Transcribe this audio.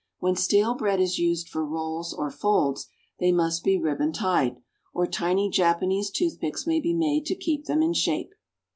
When stale bread is used for rolls or folds, they must be ribbon tied; or tiny Japanese toothpicks may be made to keep them in shape.